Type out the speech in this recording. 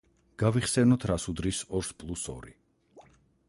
გავიხსენოთ რას უდრის ორს პლუს ორი?